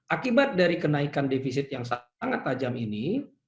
akibat dari kenaikan defisit yang sangat tajam ini